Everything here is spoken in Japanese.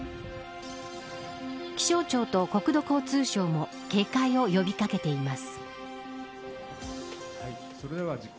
気象庁と国土交通省も警戒を呼び掛けています。